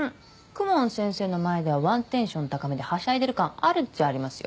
公文先生の前ではワンテンション高めではしゃいでる感あるっちゃありますよ